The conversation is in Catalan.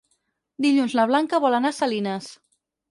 Dilluns na Blanca vol anar a Salines.